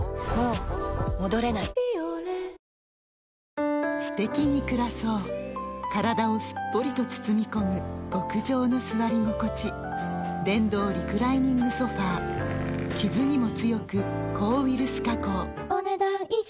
めっちゃ幸せすてきに暮らそう体をすっぽりと包み込む極上の座り心地電動リクライニングソファ傷にも強く抗ウイルス加工お、ねだん以上。